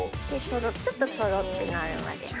ちょっとトロってなるまで。